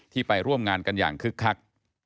ไปร่วมงานกันอย่างคึกคัก